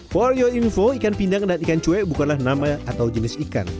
for your info ikan pindang dan ikan cuek bukanlah nama atau jenis ikan